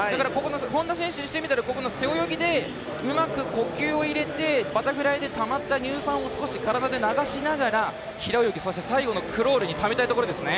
本多選手にしてみたら背泳ぎでうまく呼吸を入れてバタフライでたまった乳酸を体で流しながら平泳ぎ、そして最後のクロールにためたいところですね。